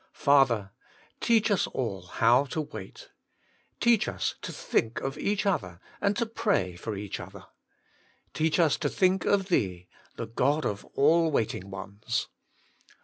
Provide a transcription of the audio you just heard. Father ! teach us all how to wait. Teach us to think of each other, and pray for each other. Teach us to think of Thee, the God of all waiting ones.